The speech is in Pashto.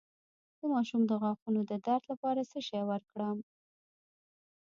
د ماشوم د غاښونو د درد لپاره څه شی ورکړم؟